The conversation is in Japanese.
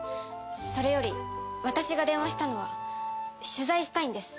それより私が電話したのは取材したいんです。